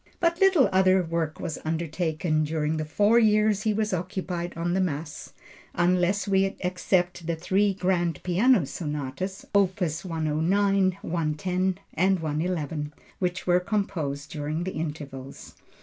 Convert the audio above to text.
But little other work was undertaken during the four years he was occupied on the Mass unless we except the three grand piano sonatas, opus 109, 110 and 111, which were composed during the intervals.